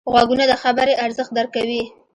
غوږونه د خبرې ارزښت درک کوي